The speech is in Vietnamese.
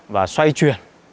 và xoay truyền